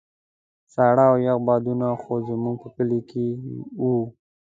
ساړه او يخ بادونه خو زموږ په کلي کې وو.